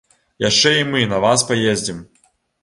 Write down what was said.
Яшчэ і мы на вас паездзім!